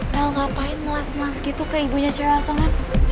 mel ngapain melas melas gitu ke ibunya cewek asalnya